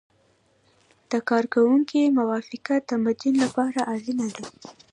د کارکوونکي موافقه د تمدید لپاره اړینه ده.